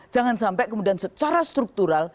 jangan sampai kemudian secara struktural